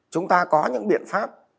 chúng ta có những biện pháp